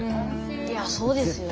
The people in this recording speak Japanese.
いやそうですよね。